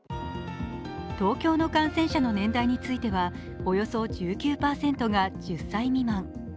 東京の感染者の年代についてはおよそ１９％が１０歳未満。